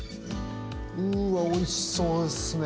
うわおいしそうですね！